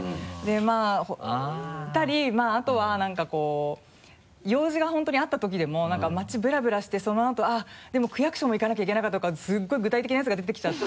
まぁあとはなんかこう用事が本当にあったときでも「街ブラブラしてそのあとあっでも区役所も行かなきゃいけなかった」とかすっごい具体的なやつが出てきちゃって。